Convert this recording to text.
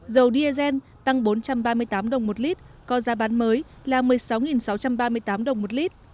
dầu diesel tăng bốn trăm ba mươi tám đồng một lít có giá bán mới là một mươi sáu sáu trăm ba mươi tám đồng một lít